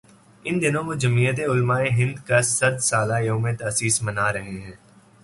ان دنوں وہ جمعیت علمائے ہندکا صد سالہ یوم تاسیس منا رہے ہیں۔